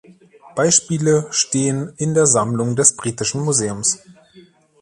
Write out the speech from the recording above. Beispiele stehen in der Sammlung des Britischen Museums.